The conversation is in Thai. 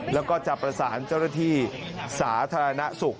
แล้วก็จะประสานเจ้าหน้าที่สาธารณสุข